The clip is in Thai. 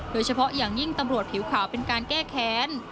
โดยเฉพาะอย่างยิ่งตำรวจผิวขาวเป็นการแก้แค้น